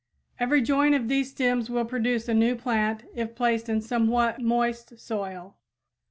Every joint of these stems will produce a new plant if placed in somewhat moist soil.